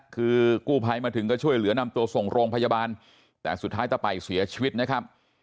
คือกู้ภัยมาถึงก็ช่วยเหลือนำตัวส่งโรงพยาบาลแต่สุดท้ายตะไปเสียชีวิตนะครับ